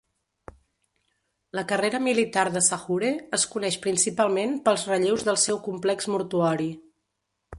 La carrera militar de Sahure es coneix principalment pels relleus del seu complex mortuori.